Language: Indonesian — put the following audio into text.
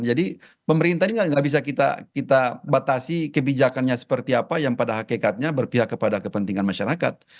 jadi pemerintah ini gak bisa kita batasi kebijakannya seperti apa yang pada hakikatnya berpihak kepada kepentingan masyarakat